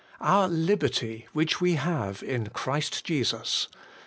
Our liberty which we have in Christ Jesus.'